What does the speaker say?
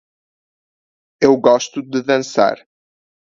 Eu gosto de dançar.